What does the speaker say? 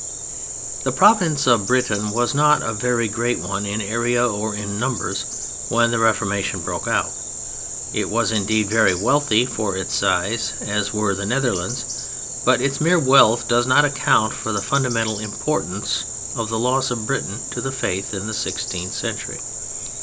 The province of Britain was not a very great one in area or in numbers, when the Reformation broke out. It was, indeed, very wealthy for its size, as were the Netherlands, but its mere wealth does not account for the fundamental importance of the loss of Britain to the Faith in the sixteenth century.